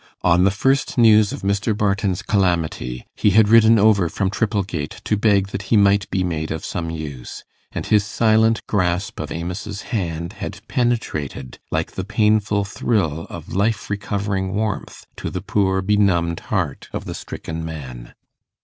On the first news of Mr. Barton's calamity, he had ridden over from Tripplegate to beg that he might be made of some use, and his silent grasp of Amos's hand had penetrated like the painful thrill of life recovering warmth to the poor benumbed heart of the stricken man.